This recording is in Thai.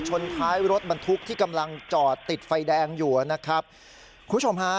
ชนท้ายรถบรรทุกที่กำลังจอดติดไฟแดงอยู่นะครับคุณผู้ชมฮะ